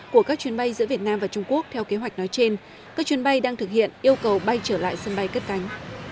của các chuyến bay giữa việt nam và trung quốc theo kế hoạch nói trên các chuyến bay đang thực hiện yêu cầu bay trở lại sân bay cất cánh